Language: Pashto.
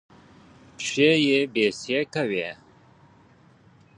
پښې يې بېسېکه وې.